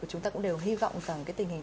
chúng ta cũng đều hy vọng rằng cái tình hình